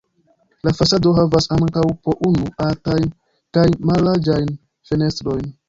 La fasado havas ankaŭ po unu altajn kaj mallarĝajn fenestrojn.